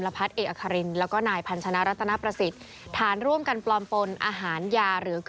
ถ้าบอกหยิงแล้วมีไปตามประเทศหยิงก็กลับมาทั้งอย่างค่ะ